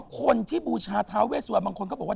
คนที่บูชาท้าเวสวันบางคนก็บอกว่า